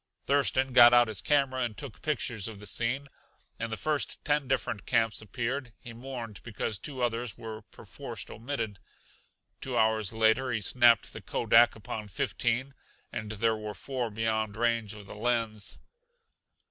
Thurston got out his camera and took pictures of the scene. In the first, ten different camps appeared; he mourned because two others were perforced omitted. Two hours later he snapped the Kodak upon fifteen, and there were four beyond range of the lens.